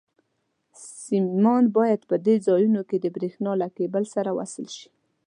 سیمان باید په دې ځایونو کې د برېښنا له کېبل سره وصل شي.